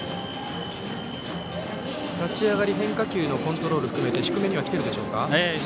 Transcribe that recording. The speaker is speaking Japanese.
立ち上がり変化球のコントロールを含めて低めに来ているでしょうか。